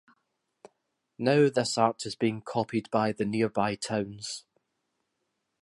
Now this art is being copied by the nearby towns.